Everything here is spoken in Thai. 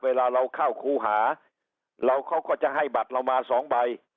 เวลาเราเข้าครูหาเราเขาก็จะให้บัตรเรามาสองใบ